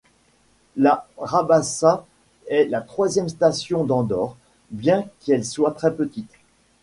La Rabassa est la troisième station d'Andorre bien qu'elle soit très petite.